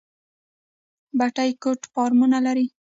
بټي کوټ فارمونه لري؟